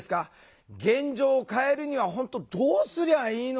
現状を変えるには本当どうすりゃいいのか。